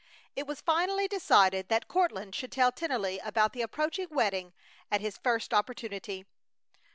It was finally decided that Courtland should tell Tennelly about the approaching wedding at his first opportunity.